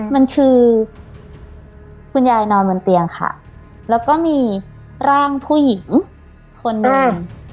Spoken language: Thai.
มันคือคุณยายนอนบนเตียงค่ะแล้วก็มีร่างผู้หญิงคนหนึ่ง